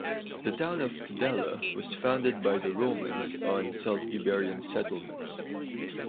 The town of Tudela was founded by the Romans on Celt-Iberian settlements.